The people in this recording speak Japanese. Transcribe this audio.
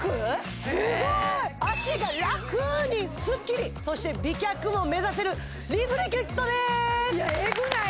すごーい脚が楽にスッキリそして美脚も目指せるリフレキュットでーすエグない？